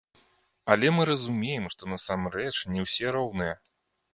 Але мы разумеем, што насамрэч не ўсе роўныя.